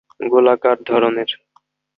গোলাকার ধরনের।